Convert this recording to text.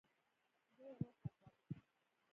زه وروختم.